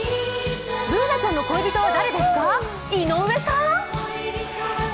Ｂｏｏｎａちゃんの恋人は誰ですか？